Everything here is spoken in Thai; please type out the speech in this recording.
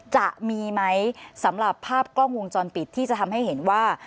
จะมีไหมสำหรับภาพกล้องวงจรปิดที่จะทำให้เห็นว่า